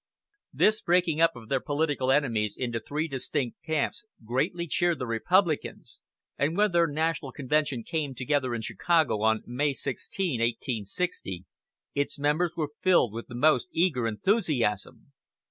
This breaking up of their political enemies into three distinct camps greatly cheered the Republicans, and when their National Convention came together in Chicago on May 16, 1860, its members were filled with the most eager enthusiasm.